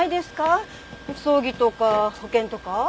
葬儀とか保険とか。